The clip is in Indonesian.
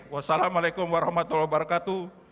wassalamu'alaikum warahmatullahi wabarakatuh